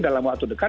dalam waktu dekat